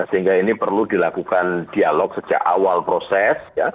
sehingga ini perlu dilakukan dialog sejak awal proses